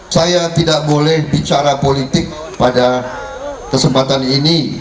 saya tidak boleh bicara politik pada kesempatan ini